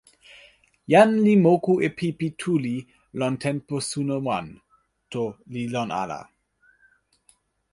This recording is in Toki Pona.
"jan li moku e pipi tuli lon tenpo suno wan" to li lon ala.